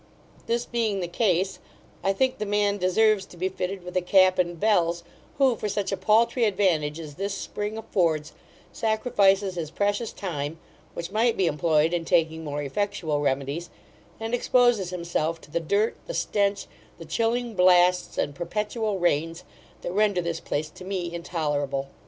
This being the case, I think the man deserves to be fitted with a cap and bells, who for such a paultry advantage as this spring affords, sacrifices his precious time, which might be employed in taking more effectual remedies, and exposes himself to the dirt, the stench, the chilling blasts, and perpetual rains, that render this place to me intolerable.